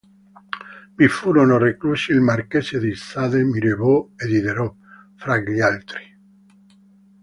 Vi furono reclusi il marchese de Sade, Mirabeau e Diderot, fra gli altri.